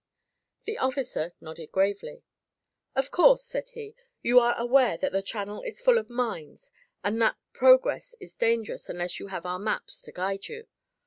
The officer nodded gravely. "Of course," said he, "you are aware that the channel is full of mines and that progress is dangerous unless you have our maps to guide you.